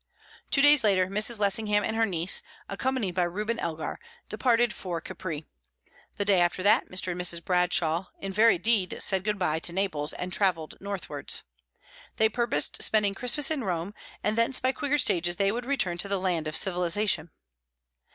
Two days later, Mrs. Lessingham and her niece, accompanied by Reuben Elgar, departed for Capri. The day after that, Mr. and Mrs. Bradshaw in very deed said good bye to Naples and travelled northwards. They purposed spending Christmas in Rome, and thence by quicker stages they would return to the land of civilization.